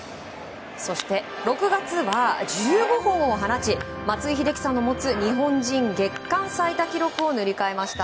６月は１５本を放ち松井秀喜さんの持つ日本人月間最多記録を塗り替えました。